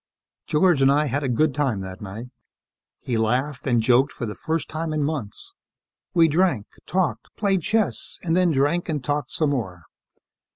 George and I had a good time that night. He laughed and joked for the first time in months. We drank, talked, played chess, and then drank and talked some more.